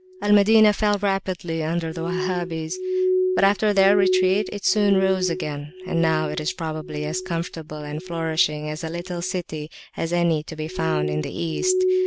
Al Madinah fell rapidly under the Wahhabis, but after their retreat, it soon rose again, and now it is probably as comfortable and flourishing a little city as any to be found in the East.